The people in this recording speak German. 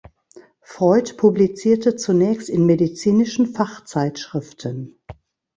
Freud publizierte zunächst in medizinischen Fachzeitschriften.